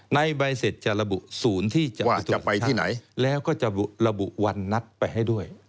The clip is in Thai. ใบเสร็จจะระบุศูนย์ที่จะไปที่ไหนแล้วก็จะระบุวันนัดไปให้ด้วย